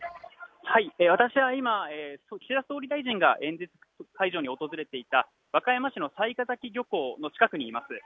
私は今、岸田総理大臣が演説会場に訪れていた和歌山市の雑賀崎漁港に来てます。